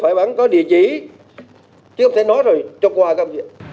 phải bán có địa chỉ chứ không thể nói rồi trông qua không gì